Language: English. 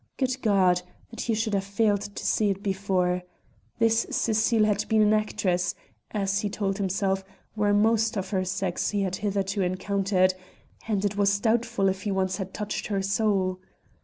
Good God! that he should have failed to see it before; this Cecile had been an actress, as, he told himself, were most of her sex he had hitherto encountered, and 'twas doubtful if he once had touched her soul.